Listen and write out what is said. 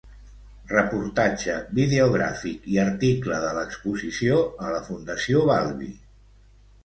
Reportatge videogràfic i article de l'exposició a la Fundació Valvi.